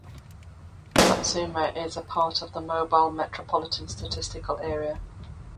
Satsuma is a part of the Mobile metropolitan statistical area.